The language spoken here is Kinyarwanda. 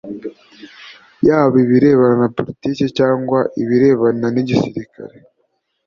yaba ibirebana na politiki cyangwa ibirebana n’igisirikare